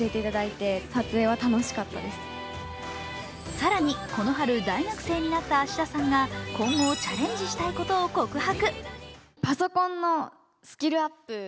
更にこの春大学生になった芦田さんが今後チャレンジしたいことを告白。